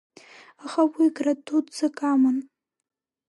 Аха уи гра дуӡӡак аман…